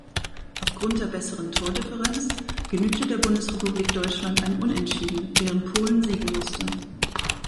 Aufgrund der besseren Tordifferenz genügte der Bundesrepublik Deutschland ein Unentschieden, während Polen siegen musste.